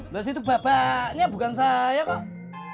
lah situ babaknya bukan saya kok